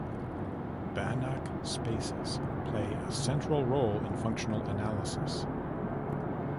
Banach spaces play a central role in functional analysis.